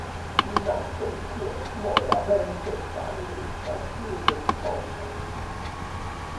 Inaczej śmierć moja będzie dla niej straszliwym ciosem.